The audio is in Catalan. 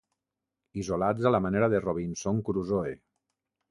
Isolats a la manera de Robinson Crusoe.